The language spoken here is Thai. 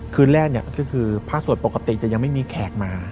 คืนแรกก็คือพระสวดปกติจะยังไม่มีแขกมา